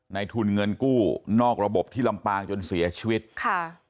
ทุนเงินกู้นอกระบบที่ลำปางจนเสียชีวิตค่ะ